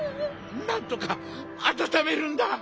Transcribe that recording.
なんとかあたためるんだ！